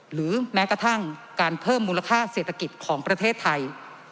หรือแม้กระทั่งการเพิ่มมูลค่าเศรษฐกิจของประเทศไทย